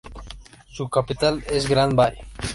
Su capital es Grand Bay.